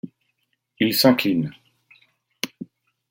Ils s'inclinent.